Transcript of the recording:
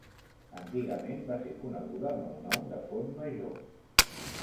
Antigament va ser coneguda amb el nom de font Major.